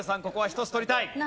ここは１つ取りたい。